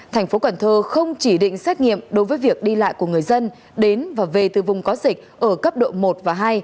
tp cn không chỉ định xét nghiệm đối với việc đi lại của người dân đến và về từ vùng có dịch ở cấp độ một và hai